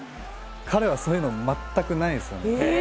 彼はそういうの全くないんですよ。